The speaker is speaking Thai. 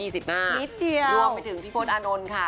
รวมไปถึงพี่พลดอานนท์ค่ะ